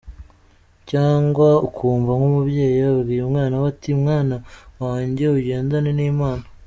cyangwa ukumva nk’umubyeyi abwiye umwana we ati : «Mwana wanjye ugendane n’Imana.